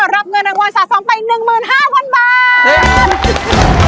รับเงินรางวัลสะสมไป๑๕๐๐๐บาท